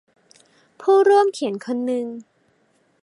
ผู้ร่วมเขียนคนนึง